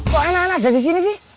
kok anak anak ada di sini sih